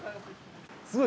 すごい！